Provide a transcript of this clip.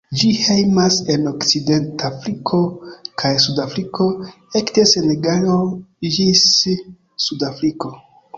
Ĝi hejmas en Okcidentafriko kaj suda Afriko, ekde Senegalo ĝis Sud-Afriko.